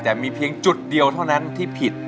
แต่มีเพียงจุดเดียวเท่านั้นที่ผิด